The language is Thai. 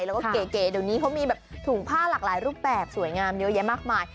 แล้วก็เก๋เดี๋ยวนี้เขามีแบบถุงผ้าหลากหลายรูปแบบสวยงามเยอะแยะมากมาย